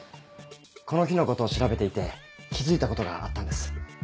この日のことを調べていて気付いたことがあったんです。